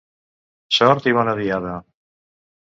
Sort i bona diada!